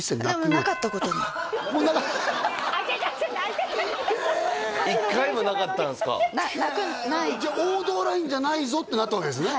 歌手の事務所なのにへえじゃあ王道ラインじゃないぞってなったわけですね